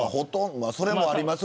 それもあります